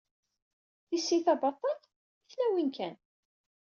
Tissit-a baṭel? I tlawin kan.